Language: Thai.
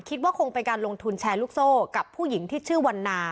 คิดว่าคงเป็นการลงทุนแชร์ลูกโซ่กับผู้หญิงที่ชื่อวันนา